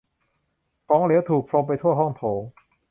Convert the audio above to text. ของเหลวถูกพรมไปทั่วห้องโถง